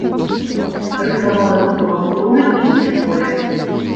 Рыхтавалася самастойна і ў школе.